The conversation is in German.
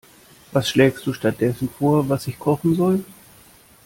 Was schlägst du stattdessen vor, was ich kochen soll?